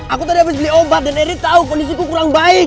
aku tadi abis beli obat dan eri tahu kondisi ku kurang baik